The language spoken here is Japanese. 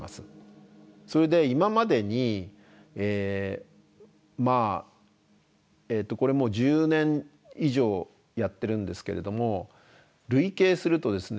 それで今までにこれもう１０年以上やってるんですけれども累計するとですね